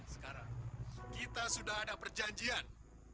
sekarang kita sudah ada perjanjian